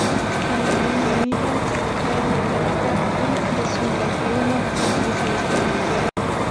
En el Reino Unido, "The Daily Telegraph" y "The Sunday Telegraph" utilizan este formato.